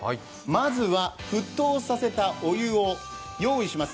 まずは、沸騰させたお湯を用意します。